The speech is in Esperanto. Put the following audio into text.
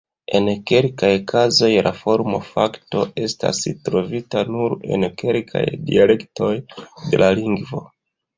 En kelkaj kazoj la formo-fakto estas trovita nur en kelkaj dialektoj de la lingvo.